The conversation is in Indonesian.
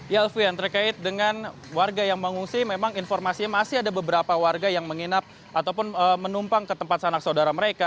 ya alfian terkait dengan warga yang mengungsi memang informasinya masih ada beberapa warga yang menginap ataupun menumpang ke tempat sanak saudara mereka